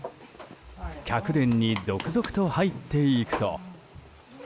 客殿に続々と入っていくと。